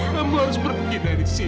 kamu harus pergi dari sini